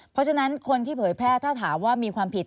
เพราะฉะนั้นคนที่เผยแพร่ถ้าถามว่ามีความผิด